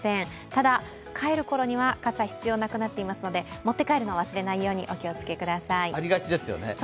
ただ、帰るころには傘が必要なくなっていますので持って帰るのを話すないようにお気を付けください。